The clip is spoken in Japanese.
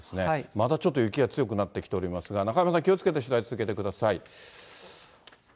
またちょっと雪が強くなってきていますが、中山さん、気をつけて取材続けてください。